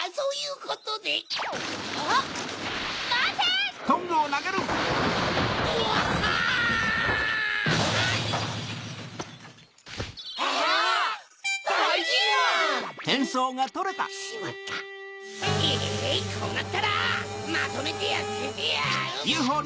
こうなったらまとめてやっつけてやる！